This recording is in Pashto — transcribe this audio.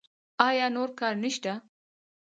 ایا نور کار نشته؟